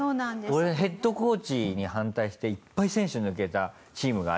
俺ヘッドコーチに反対していっぱい選手抜けたチームがあってアメフトの。